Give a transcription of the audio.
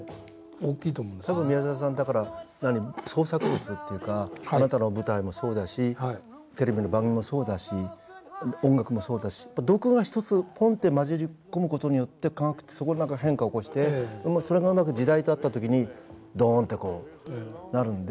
多分宮沢さん創作物っていうかあなたの舞台もそうだしテレビの番組もそうだし音楽もそうだし毒が一つポンと混じり込む事によってそこに変化を起こしてそれがうまく時代と合った時にドーンってこうなるので。